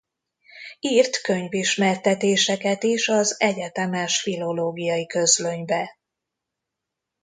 Írt könyvismertetéseket is az Egyetemes Philologiai Közlönybe.